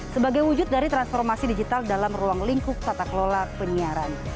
sebagai wujud dari transformasi digital dalam ruang lingkup tata kelola penyiaran